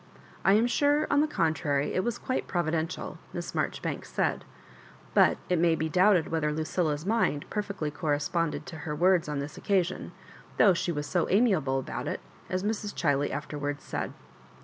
I am sure, on the contrary, it was quite provi dential," Miss Maijoribaoks said ; but it may be doubted whether Lucilla's mind perfectly corre sponded to her words on this occasion, though she was so amiable about it, as Mrs. CSiiley after wards said.